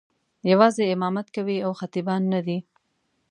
یوازې امامت کوي او خطیبان نه دي.